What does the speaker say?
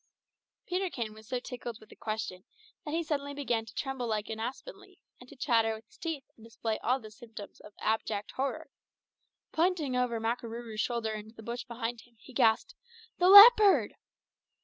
Peterkin was so tickled with the question that he suddenly began to tremble like an aspen leaf, and to chatter with his teeth and display all the symptoms of abject terror. Pointing over Makarooroo's shoulder into the bush behind him, he gasped, "The leopard!"